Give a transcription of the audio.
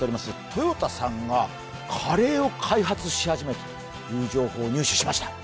トヨタさんがカレーを開発し始めたという情報を入手しました。